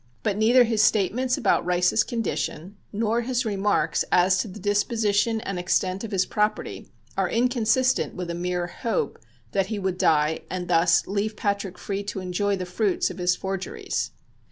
But neither his statements about Rice's condition nor his remarks as to the disposition and extent of his property are inconsistent with a mere hope that he would die and thus leave Patrick free to enjoy the fruits of his forgeries.